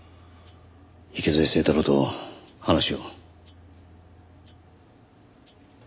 池添清太郎と話を。